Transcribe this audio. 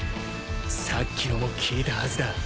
さっきのも効いたはずだ。